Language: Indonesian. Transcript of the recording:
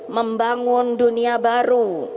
membangun dunia baru